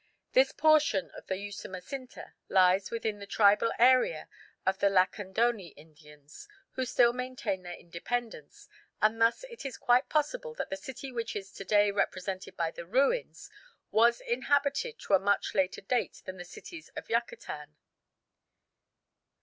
This portion of the Usumacinta lies within the tribal area of the Lacandone Indians, who still maintain their independence, and thus it is quite possible that the city which is to day represented by the ruins, was inhabited to a much later date than the cities of Yucatan.